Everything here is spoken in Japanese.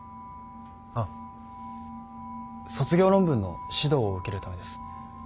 あっ卒業論文の指導を受けるためです。